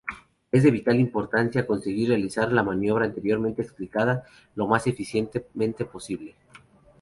Es de vital importancia conseguir realizar la maniobra anteriormente explicada lo más eficientemente posible.